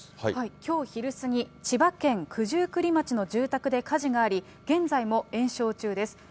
きょう昼過ぎ、千葉県九十九里町の住宅で火事があり、現在も延焼中です。